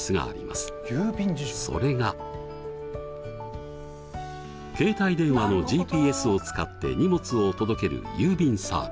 それが携帯電話のＧＰＳを使って荷物を届ける郵便サービス。